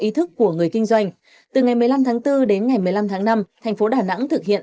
ý thức của người kinh doanh từ ngày một mươi năm tháng bốn đến ngày một mươi năm tháng năm thành phố đà nẵng thực hiện